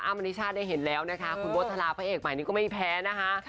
อันนี้ชาติได้เห็นแล้วนะคะคุณโบทราพระเอกใหม่นี้ก็ไม่แพ้นะคะ